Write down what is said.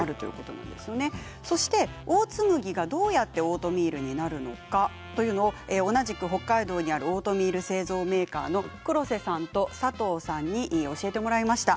オーツ麦がどうやってオートミールになるのかというのを同じく北海道にあるオートミール製造メーカーの黒瀬さんと佐藤さんに教えてもらいました。